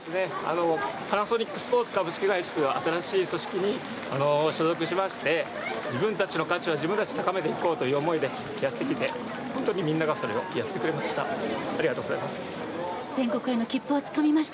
パナソニック株式会社は新しい組織に所属しまして自分たちの価値は自分たちで高めていこうという思いでやってきて、本当にみんながそれをやってくれました、ありがとうございます。